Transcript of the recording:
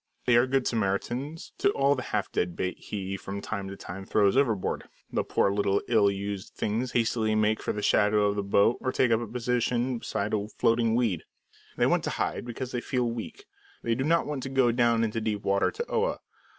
They are good Samaritans to all the half dead bait he from time to time throws overboard. The poor little ill used things hastily make for the shadow of the boat or take up a position beside a floating weed. They want to hide because they feel weak; they do not want to go down into deep water to Oa.